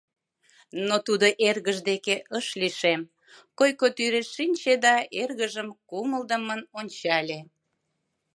Но тудо эргыж деке ыш лишем, койко тӱрыш шинче да эргыжым кумылдымын ончале.